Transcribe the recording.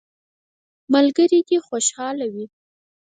ملګري دي خوشحاله وي.